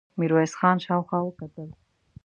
ميرويس خان شاوخوا وکتل.